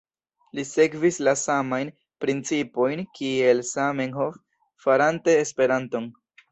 Li sekvis la samajn principojn kiel Zamenhof farante Esperanton.